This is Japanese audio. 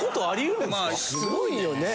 すごいよね。